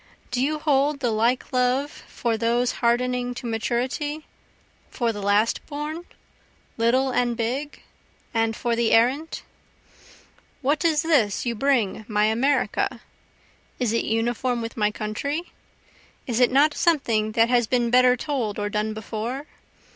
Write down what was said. Do you hold the like love for those hardening to maturity? for the last born? little and big? and for the errant? What is this you bring my America? Is it uniform with my country? Is it not something that has been better told or done before?